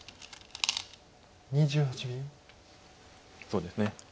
そうですね。